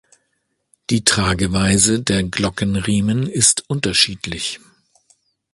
Die Trageweise der Glocken-Riemen ist unterschiedlich.